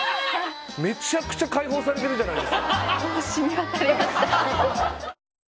めちゃくちゃ解放されてるじゃないですか